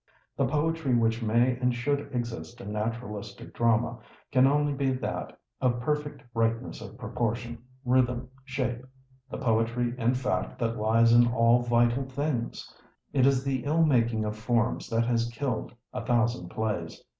The poetry which may and should exist in naturalistic drama, can only be that of perfect rightness of proportion, rhythm, shape—the poetry, in fact, that lies in all vital things. It is the ill mating of forms that has killed a thousand plays.